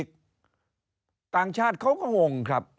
ต่างชาติเขาก็งงครับ